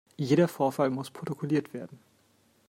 Jeder Vorfall muss protokolliert werden.